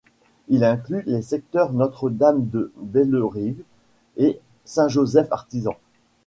Il inclut les secteurs Notre-Dame de Bellerive et Saint-Joseph-Artisan.